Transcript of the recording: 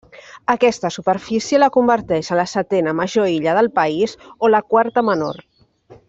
Aquesta superfície la converteix en la setena major illa del país o la quarta menor.